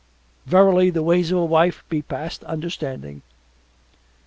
Verily the ways of a wife be past understanding.